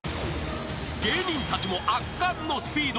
［芸人たちも圧巻のスピード芸］